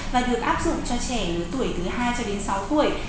và được áp dụng cho trẻ tuổi thứ hai cho đến sáu tuổi